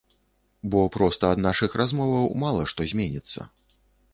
Бо проста ад нашых размоваў мала што зменіцца.